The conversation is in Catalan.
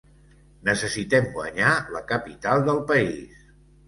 Necessitem guanyar la capital del país.